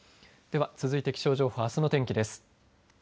では、続いて気象情報あすの天気です。